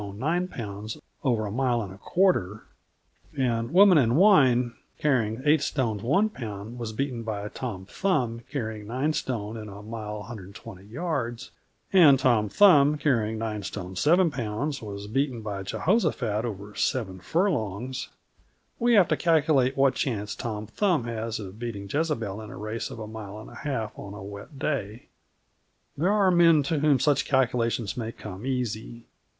9 lb., over a mile and a quarter, and Woman and Wine, carrying 8 st. 1 lb., was beaten by Tom Thumb, carrying 9 st. in a mile 120 yds., and Tom Thumb, carrying 9 st. 7 lb., was beaten by Jehoshaphat over seven furlongs, we have to calculate what chance Tom Thumb has of beating Jezebel in a race of a mile and a half on a wet day. There are men to whom such calculations may come easy.